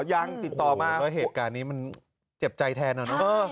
ยังติดต่อมาแล้วเหตุการณ์นี้มันเจ็บใจแทนนะเนอะ